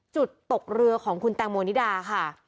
ตกเรือของคุณแตงโมนิดาค่ะ